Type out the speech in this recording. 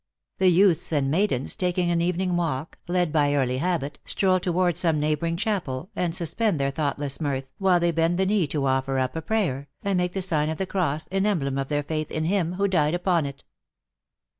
The youths and maidens, taking an evening walk, led by early habit, stroll toward some neighboring chapel, and suspend their thoughtless mirth, while they bend the knee to offer up a prayer, and make the sign of the cross, in emblem of their faith in Him who died upon it.